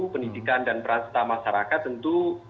pendidikan dan peran serta masyarakat tentu